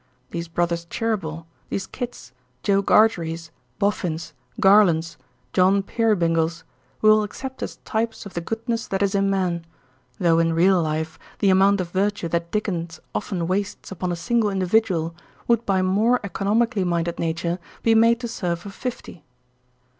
These Brothers Cheeryble, these Kits, Joe Gargeries, Boffins, Garlands, John Peerybingles, we will accept as types of the goodness that is in men—though in real life the amount of virtue that Dickens often wastes upon a single individual would by more economically minded nature, be made to serve for fifty.